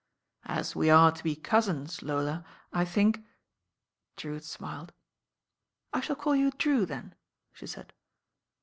"As we are to be cousins, Lola, I think " Drewitt smiled. "I shall call you Drew, then," she said.